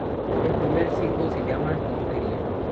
El primer single se llama "Y yo quería".